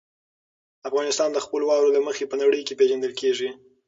افغانستان د خپلو واورو له مخې په نړۍ کې پېژندل کېږي.